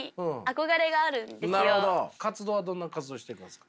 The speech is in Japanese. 活動はどんな活動していますか？